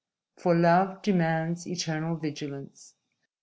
_ _For love demands eternal vigilance.